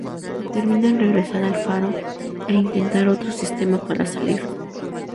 Determinan regresar al faro, e intentar otro sistema para salir.